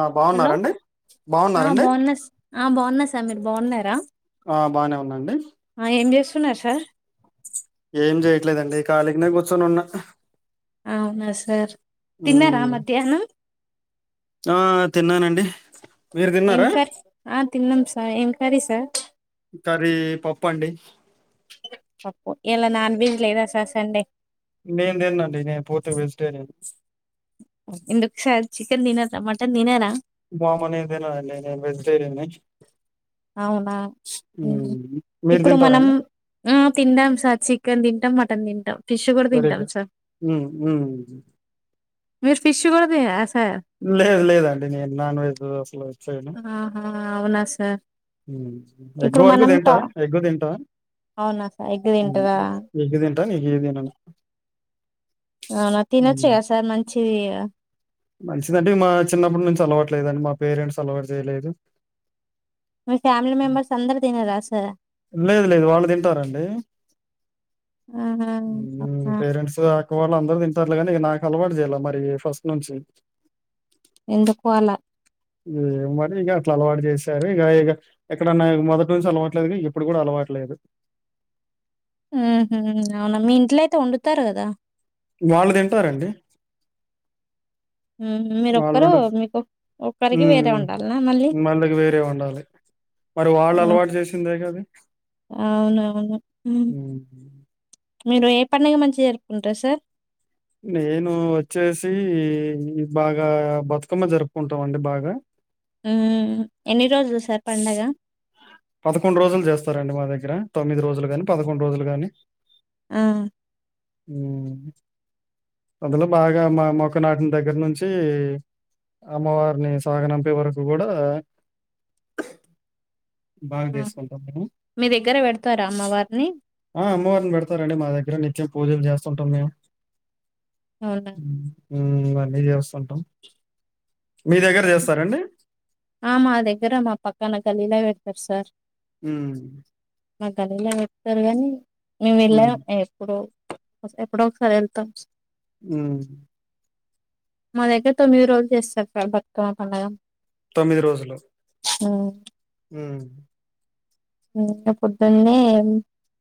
ఆ హలొ బాగున్నారండి ఆ బాగున్నారండి బావున్నస్ ఆ బావున్న సార్ మీరు బావున్నారా ఆ బానే ఉన్న అండి సార్ ఏం జేయట్లేదండి ఖళిగనే కూర్చొని ఉన్న అవునా సార్ తిన్నారా మ్మ్ మధ్యాహ్నం ఆ తిన్నానండి మీరు ఏం తిన్నారా కర్ ఆ తిన్నాం సర్ ఏం కర్రి సర్ కర్రీ పప్పండి పప్పు ఇయాల నాన్ వెజ్ లేదా సర్ సండే నేను తినండి నేను పూర్తిగ వెజిటేరియన్ ఎందుకు సర్ చికెన్ తినార మటన్ తినారా వామ్మో నెన్ తిననండి నెన్ వెజిటేరియన్ని అవునా హ్మ్ మీరు ఇప్పుడు మనం తింటారండి ఆ తిందాం సార్ చికెన్ తింటం మటన్ తింటాం ఫిష్ గూడ వెరీ తింటాం గుడ్ సర్ మ్మ్ మ్మ్ మీరు ఫిష్ గూడ తినరా సార్ లేదు లేదండి నేను నాన్ వెజ్ అసలు ఆహా అవునా సర్ ఎగ్గు వరకు తింటా ఎగ్గు తింటా అవునా సార్ ఎగ్ తింటారా ఎగ్గ్ తింటా ఇంకేన్ తినను అవునా తినొచ్చు గా సార్ మంచిది గద మంచిదంటే మా చిన్నప్పటి నుంచి అలవాటు లేదండి మా పేరెంట్స్ అలవాటు చేయలేదు మీ ఫ్యామిలీ మెంబర్స్ అందరు తినరా సార్ లేదు లేదు వాళ్ళు తింటారండి ఆహా మ్ అవునా పేరెంట్స్ ఆక వాళ్ళు అందరు తిన్ టర్లె గానీ నాకు అలవాటు చేయాలె మరి ఫస్ట్ నుంచి ఎందుకు అలా మరి ఇగ అట్ల అలవాటు చేశారు ఇగ ఇగ ఎక్కడన్నా మొదటి నుంచి అలవాట్లేని ఇప్పుడు గూడా అలవా ట్లేదు మ్ హు అవునా మీ ఇంట్లో అయితే వండుతారు గదా వాళ్ళుదింటారండి మ్ హు మీరొక్కరు మీకు ఒక్ ఒక్కరికి వేరే హ్మ్. వండాల్నా మళ్ళీ ఇక వేరే వండాలి. మరి వాళ్ళు ఉహ్ అలవాటు చేసిందే గా అది అవునవును హ్మ్మ్ హ్మ్. మీరు ఏ పండగ మంచిగ జరుపుకుంటరు సార్ నేనూ వచ్చేసి ఇ బాగా బతుకమ్మ జరుపుకుంటాం అండి బాగా మ్ ఎన్ని రోజులు సార్ పండగ పదకొండు రోజులు చేస్తారండి మా దగ్గర తొమ్మిది రోజులు గాని పదకొండు రోజులు గాని ఆ హ్మ్ పొదలు బాగా మా మొక్క నాటిన్ దగ్గర్ నుంచి అమ్మవార్ ని సాగనంపే వరకు గూడా బాగా ఆ జేస్ కుంటాం మేము మీ దగ్గర పెడతారా అమ్మవారిని ఆ అమ్మవార్ ఉన్ బెడ్ తారండి మా దగ్గర నిత్యం పూజలు జస్తుంటామ్ మేమ్ అవునా ఉమ్ ఉ ఇవ్వని చేస్తుంటాం మీ దగ్గర చేస్తారండి ఆ మ దగ్గర మా పక్కన గలీలా పెడతారు సార్ హు మా గలిల చెప్తారు గానీ మేము వెళ్ళా హ్మ్. ఎప్పుడు ఓస్తే ఎప్పుడొ ఒకసారి వెళ్తాం ఉమ్ మా దగ్గర తొమ్మిద్ రోజు చేస్తర్ బత్ కమ్మ పండగ ఎన్ మ్మిద్ రోజులు ఉమ్ ఉమ్ ఉమ్ ఇంగ పొద్దున్నే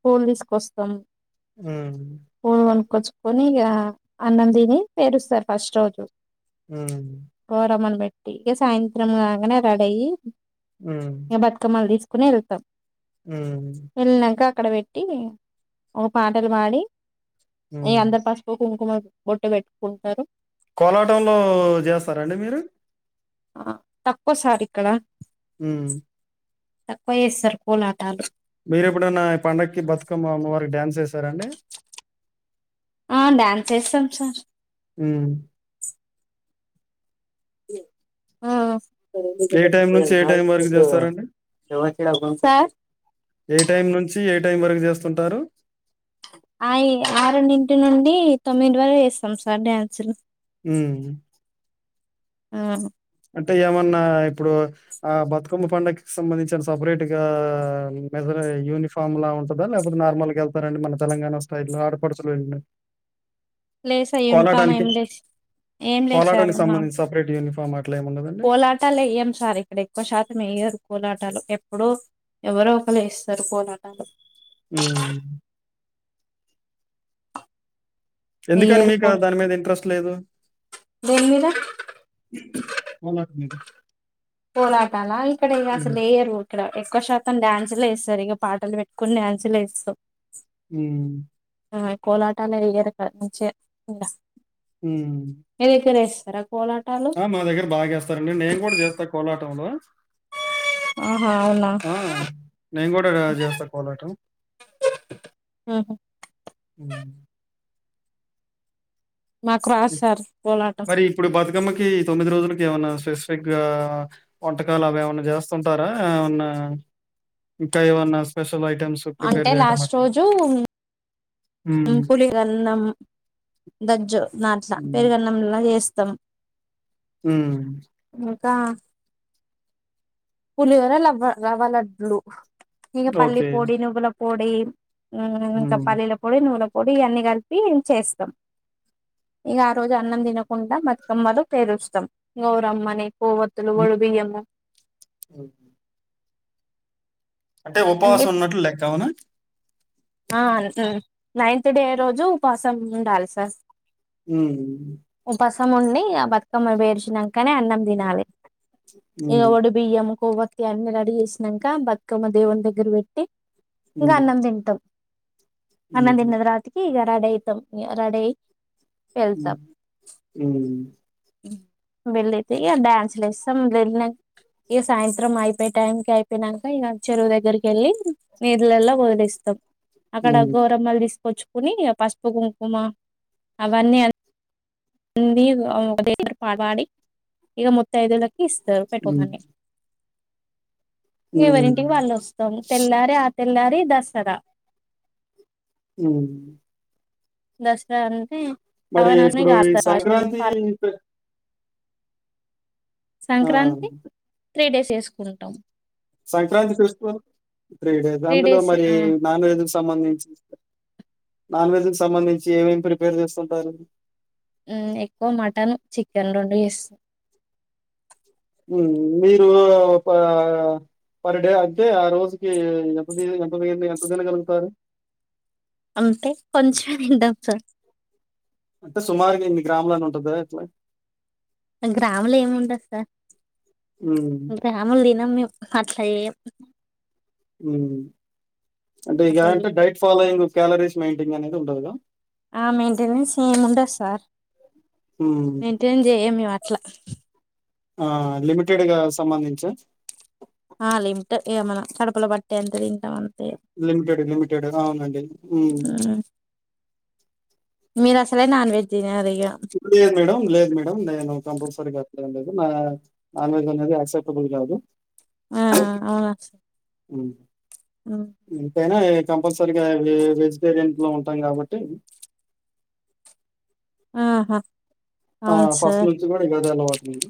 పూల్ దీస్ కొస్తమ్ ఉమ్ కొచ్ పోని ఇగ ఆ అన్నం దిని పేరుస్తర్ ఫస్ట్ రోజు ఉమ్ టియిగ సాయంత్రమ్ కాంగానే రడయి ఇగ బత్ కమ్మల్ దిస్ కునే ఎల్ తమ్ ఉమ్ అక్కడ వేట్టి ఒ పాటలు బాడి ఈ హ్మ్. అందర్ పస్ పు కుంగ్ కుమర్ బొట్టు బెట్ కుంటరు కోలాటంలో జేస్తరండి మీరు ఆ తక్కుసార్ ఇక్కడ ఉమ్ తక్కు ఏసరు కోలాటాలు మీర్ ఎప్పుడన్న ఈ పండగకి బత్ కమ్మ అమ్మ వారి డ్యాన్స్ ఏసారండి ఆ డ్యాన్స్ ఏసమ్ సార్ హ్మ్. ఆ ఏ టైం నుంచి ఏ టైం వరకు జేస్తారండి? సార్ ఏ టైమ్ నుంచి ఏ టైం వరకు జేస్తుంటారు అయి ఆరున్ డింటి నుండి తొమ్మిదింట్ వరకు ఏస్తమ్ సార్ డ్యాన్సులు ఉమ్ ఔను అంటే ఏమన్నా ఇపుడు ఆ బత్ కమ్మ పండగ్ కి సంబంధించన సప్ రేట్ గా మెజర్ అయ్ యూనిఫామ్ లా ఉంటదా లేపోతే నార్ మాల్ గా ఎల్ తరండి మన తెలంగాణ స్టైల్ ల ఆడపడుచుల్ వెల్ నట్ లేదు సార్ యూనిఫామ్ ఏం కోలాటానికి లేదు ఏం కోలాటాన్ కి సంబంధించి సప్ రేట్ యూనిఫా పోలాటాల్ ఎయ్యమ్ సార్ ఇక్కడ ఎక్కు శాతం ఎయ్యారు పోలాటాలు ఎప్ ప్పుడో ఎవరో ఒకల్ ఎస్తరు పోలాటాలు ఉమ్ ఎందుకనీ వేయ్యరు మీకా కో దాన్ మీద ఇంట్రాస్ట్ లేదు దేని మీద కోలాట్ మీరు పోలాటాల ఇక్కడ ఎ అస్ హ్మ్. లు ఎయరు ఇక్కడ ఎక్కు శాతం డ్యాన్స్ స్ లేస్తరిగ పాటల్ బెట్ కోన్ డ్యాసు లేస్తమ్ ఉమ్ ఆ కోలాటాల్ యేయరిక నుంచేర్ ఇంగ ఉమ్ కోలాటాలు ఆ మా దగ్గర బాగ్ జస్తరండి నేన్ గుడా జేస్తా కోలాటంలో ఆహా అవునా ఆ నేన్ కూడా రా జెస్త కోలాటం ఉహు హ్మ్ మాకు రాదు సార్ కోలాటం మరి ఇప్పుడు బతుకమ్మకి తొమ్మిది రోజులకి ఏమన్నా స్పెసిఫిక్ గా వంటకాలు అవి ఏమన్నా చేస్తుంటారా ఏమన్నా ఇంకా ఏమన్నా స్పెషల్ ఐటెమ్స్ ప్రిపేర్ అంటే చేయడం అట్లా మ్ హ్మ్. పులిరన్నం దజ్జో నాట్ నా పెరుగన్నం లా ఏస్తమ్ ఉమ్ ఇంకా పులిహోరా లవ్వ రవ్వలడ్లు ఇగ పల్లి ఓకే. పొడి నువ్వుల పొడి ఉమ్ ఇంక హ్మ్. పల్లిలు నువ్వుల పొడి అని కలిపి చేస్తాం ఇగ ఆరోజు అన్నం తినకుండా బతుకమ్మలు పేరుస్తాం గౌరమ్మని పోవతులు హ్మ్. వడి బియ్యము హ్మ్. అంటే అన్ని ఉపవాసం ఉన్నట్లు లెక్క అవునా ఆ మ్ నైన్త్ డే రోజు ఉపాసం ఉండాలి సార్ మ్ అన్నం ఒండి బతుకమ్మ వెర్షిణానకనే అన్నం తినాలే ఇగ హ్మ్. ఒడి బియ్యము కొవత్ ఇగ అన్ని రెడీ చేసినంక బతుకమ్మ దేవుం దగ్గర వెట్టి ఇంగ హ్మ్. అన్నం తింటాం అన్నం హుహు. దీన్న తరవాతకి ఇగ రెడీయితం ఇగ రడీయి మ్ మ్ వేలేతి ఇగ డ్యాన్స్లు ఏస్తాం వెలనంక ఇగ సాయంత్రం అయిపోయే టైం కి అయిపోయినంక ఇగ చెరువు దగ్గరకి ఏళ్ళి నిలల్లో వదిలేస్తాం అక్కడ హ్మ్. గోరమ్మల్ తీసుకొచ్చుకోని పసుపు కుంకుమ అవన్నీ అని వాణ్ణి అది పడి ఇగ మత్తఐదులకు ఇస్తార్ హ్మ్. పెట్టుకోగానే హ్మ్. ఎవరింటికి వాళ్ళు వస్తాం తెల్లారే ఆ తెల్లారి దసరా హ్మ్మ్ దసరా అంటే మరి ఇప్పుడు ఈ రావణాసురుడ్ని కాల్చి సంక్రాంతి ఫె ఆ! సంక్రాంతి త్రిడేస్ చేసుకుంటాం సంక్రాంతి ఫెస్టివల్ త్రిడేస్ త్రీ అందులో డేస్ మరి ఆ నాన్వెజ్ తమంది నాన్ వెజ్ కు సంబంధించి ఏమేమి ప్రిపేర్ చేసుంటారు మ్ ఎక్కువ మటన్ చికెన్ రెండు చేస్తాం మ్ మీరు ఒపా పర్ డే అంటే ఆ రోజుకి ఎంత ఎంత ఎంత తినగలుగుతారు అంటే కొంచం తంటం సార్ అంటే సుమారుగా ఇన్ని గ్రాములని ఉంటదా ఇట్లా గ్రాములో ఎం ఉండద్ సార్ హ్మ్ గ్రాముల్ తినం మేమ్ అట్లా ఎయం మ్ అంటే ఇగ అట్లా అంటే చేయం డైట్ ఫాలోయింగ్ క్యాలరీస్ మెయిటింగ్ అనేద్ ఉండదు ఆ మెయింటెనెన్స్ ఎం ఉండద్ సార్ హ్మ్ మైంటైన్ చేయం మేం అట్ల ఆ లిమిటెడ్ గ సంబంధించ ఆ లింట్ ఇగ మన కడపల బట్టే అంత తింటాం అం లిమిటెడ్ లిమిటెడ్ గ అవునండి మ్ మీర్ అసలే నాన్వెజ్ తినరు ఇక లేద్ మేడం లేద్ మేడం నేను కంపల్సరీగా ఎం లెదు నా నాన్వెజ్ అనేది ఆక్సిప్టుబుల్ గాదు ఆ అవునా మ్ సార్ ఇంతేనా కంపల్సరిగా వేర్ వెజిటేరియన్ లో ఉంటాం కాబట్టి ఆహా అవున్ ఫస్ట్ సార్ నుంచి గూడా ఇగ అదే అలవాటండి.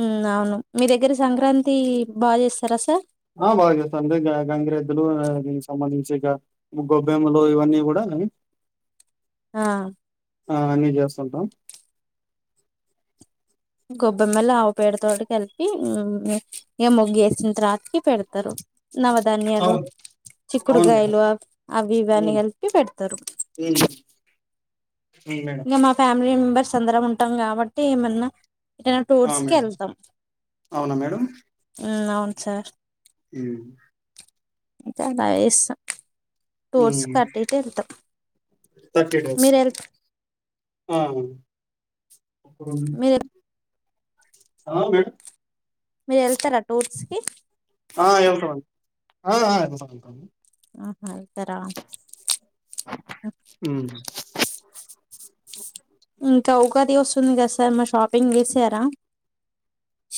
మ్ అవును మీ దగ్గర సంక్రాంత్ తి బాచేస్తారా సార్ ఆ బాగా చేత్తంది గ గంగిరెద్దులు దీనికి సంబంధించి ఇక గొబ్బెమ్మలు ఇవన్నీ గుడా అని ఆ ఆ అన్నీ చేస్తుంటాం గొబ్బెమల ఆవు పేడతోటి కలిపి ఇగ ముగ్గేసి ఇట్ రా కి పెడతరు నవధాన్యాలు అవును. అవును మేడం. చిక్కుడుగాయలు అవి ఇవి అన్ని హ్మ్. కలిపి పెడతరు. హ్మ్. హ్మ్. మేడం. ఇంగా మా ఫ్యామిలీ మెంబర్స్ అందరం ఉంటాం కాబట్టి ఏమన్నా ఎటేనా ఆ! టూర్స్ కి మేడం. ఏళ్తాం అవునా ఆ అవును సార్ మ్ నేన్ చాయ్ బాగచేస్తా టూర్స్ హ్మ్. కటిఇటి వెళ్తావ్ మీరు వెళ్ అవున్ ఓమ్ మీరు ఆవ్ మేడం మీరు ఏళ్తారా టూర్స్ కి? ఆ! వెళ్తామండి. ఆ ఆయ్ ఆహా ఏల్తారా హ్మ్. ఇంకా ఉగాది వస్తుంది కదా సార్ మారి షాపింగ్ చేసారా?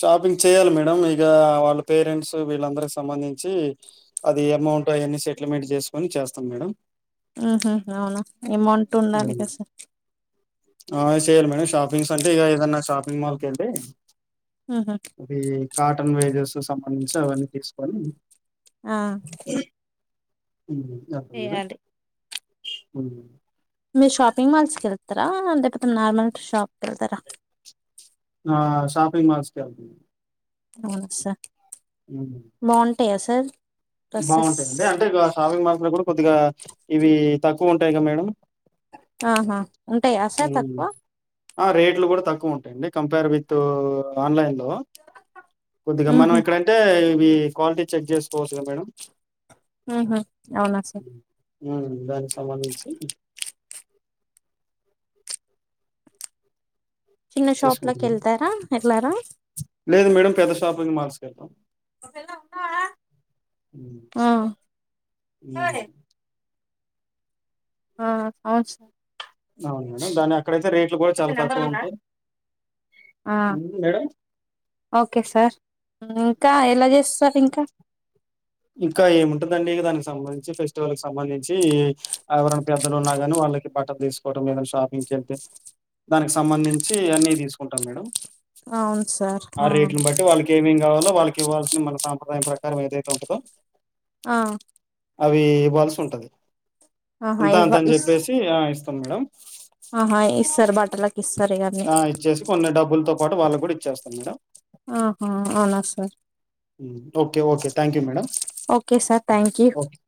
షాపింగ్ చేయ్యాల్ మేడం ఇగా వాలు పేరెంట్స్ వీళ్ళందరికి సంబంధించి అది ఎమొ ఎమౌంట్ అయిన్నీ సెటిల్మెంట్ చేసుకొని చేస్తాం మేడం. ఉహ అవునా ఎమౌంట్ ఉండాలి ఉమ్. కద సా ఆ చెయ్యల్ మేడమ్ షాపింగ్స్ అంటే ఇగా ఏదన్నాషాపింగ్ మాల్ కెళ్తే ఉహు అది కాటన్ వీడియోస్ సంబంధించి అవన్నీ కిడ్స్ పన్ ఆ మ్ అవును మేడం చేయాలి మ్ మీరు షాపింగ్ మాల్స్ కెళ్తారా, లేకపోతే నార్మల్ షాప్కి ఏళ్తారా? ఆ షాపింగ్ మాల్స్ కెళ్తామ్. అవును సా బావుంటాయా సార్ డ్రెస్సెస్ బావుంటాయిండి అంటే ఇగ షాపింగ్ మాల్ కూడా కొద్దిగా ఇవి తక్కువ ఉంటాయి కద మేడం. ఆహా ఉంటాయ సార్ ఉమ్. తక్కువ? ఆ రేట్లు కూడా తక్కువ ఉంటాయండి. కంపెర్ విత్ ఆన్లైన్ లో. వో కొద్దిగా మనం ఉహు ఎక్కడంటే ఇవి క్వాలిటీ చెక్ చేసుకోవస్ కదా మేడం. అహ అవునా స ఉమ్ దాని సంభందించి చిన్న షాప్లకి చేసుకుంటనా వెళ్తారా ఎల్లారా లేదు మేడం పెద్ద షాపింగ్ మాల్స్క వెళ్తాం. మ్ ఆ ఉమ్ ఆ అవుచ్ అవును మేడం దానే ఇట్ల కూడా చాలా తక్కువ ఉంటాయి ఆ మ్ మేడం ఓకే సార్ ఇంకా ఎలా చేస్తర్ ఇంకా? ఇంకా ఏముంటందండి దానికి సంబంధించి, ఫెస్టివల్ సంబంధించి ఎవరైనా పెద్దలు ఉన్నా కాని వా ఒళ్ళకి బట్టలు తీసుకోటం ఎమైనా షాపింకెళ్తే దానికి సంబంధించి అన్ని తీసుకుంటాం మేడం. అవును సార్ ఆ రేట్లను బట్టి వాళ్ళకి ఏమేమ్ కావాలో వాళ్ళక్ కివ్వాల్సిన మన సాంప్రదాయం ప్రకారం ఏదైతె ఉంటదో ఆ అవి ఇవ్వాల్సిన సుంటది ఆహా ఇంత అంత ఇవ్వ అని ఇస్ చెప్పేసి ఆ ఇస్త్ సార్ బాటలక్ ఆ ఇచ్చేసి కొన్ని డబ్బులతో పాటు వాళ్ళకి కూడా ఇచ్చేస్తాను మేడం. ఆహా అవునా sir okay okay thank you madam okay sir thank you okay